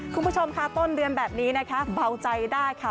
คุณผู้ชมค่ะต้นเดือนแบบนี้นะคะเบาใจได้ค่ะ